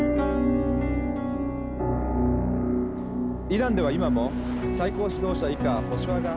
イランでは今も最高指導者以下保守派が。